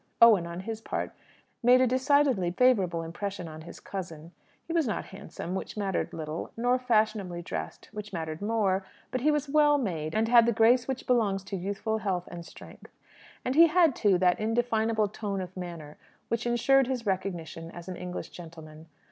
Owen, on his part, made a decidedly favourable impression on his cousin. He was not handsome which mattered little nor fashionably dressed which mattered more; but he was well made, and had the grace which belongs to youthful health and strength. And he had, too, that indefinable tone of manner which ensured his recognition as an English gentleman.